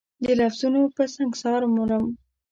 د لفظونو په سنګسار مرم